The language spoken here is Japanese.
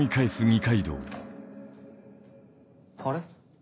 あれ？